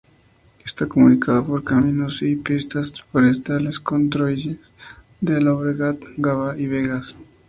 Está comunicado por caminos y pistas forestales con Torrellas de Llobregat, Gavá y Begas.